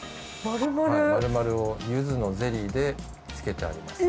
丸々を柚子のゼリーで漬けてあります。